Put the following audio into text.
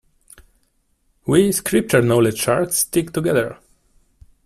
We Scripture-knowledge sharks stick together.